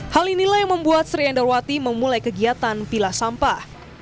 hal inilah yang membuat sri endrawati memulai kegiatan pilah sampah